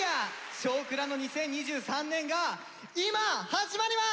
「少クラ」の２０２３年が今始まります！